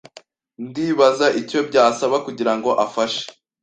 Ndibaza icyo byasaba kugirango afashe.